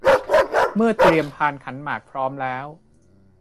เมื่อเตรียมพานขันหมากพร้อมแล้ว